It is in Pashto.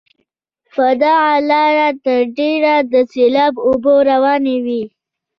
په دغه لاره تر ډېره د سیلاب اوبه روانې وي.